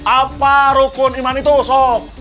apa rukun iman itu so